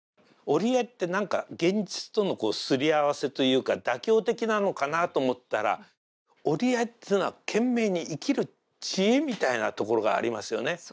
折り合いって何か現実とのすり合わせというか妥協的なのかなと思ったら折り合いっていうのは懸命に生きる知恵みたいなところがありますよね。